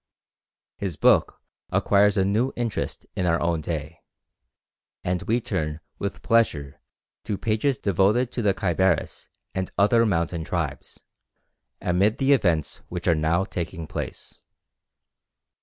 His book acquires a new interest in our own day, and we turn with pleasure to pages devoted to the Khyberis and other mountain tribes, amid the events which are now taking place.